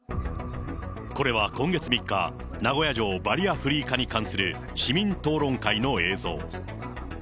これは今月３日、名古屋城バリアフリー化に関する市民討論会の映像。